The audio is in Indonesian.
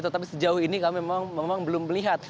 tetapi sejauh ini kami memang belum melihat